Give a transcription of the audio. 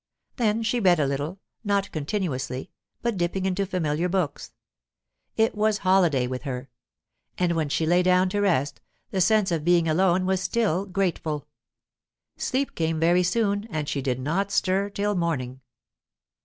Then she read a little not continuously, but dipping into familiar books. It was holiday with her. And when she lay down to rest, the sense of being alone was still grateful. Sleep came very soon, and she did not stir till morning.